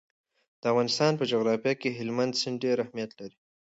د افغانستان په جغرافیه کې هلمند سیند ډېر اهمیت لري.